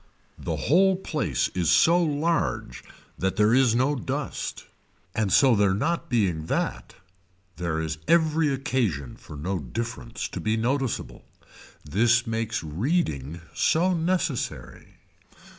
The whole place is so large that there is no dust and so there not being that there is every occasion for no difference to be noticeable. This makes reading so necessary.